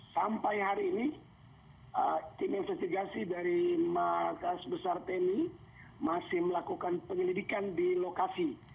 sampai hari ini tim investigasi dari masyarakat besar tni masih melakukan penyelidikan di lokasi